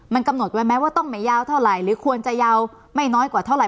มันกำหนดไว้ไหมว่าต้องไม่ยาวเท่าไหร่หรือควรจะยาวไม่น้อยกว่าเท่าไห